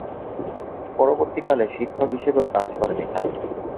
পরবর্তীকালে শিক্ষক হিসেবেও কাজ করেন এখানে।